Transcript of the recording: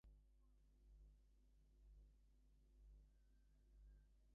The size of the United States was doubled without going to war.